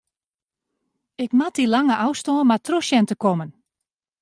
Ik moat dy lange ôfstân mar troch sjen te kommen.